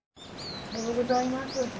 おはようございます。